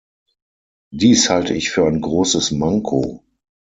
Dies halte ich für ein großes Manko.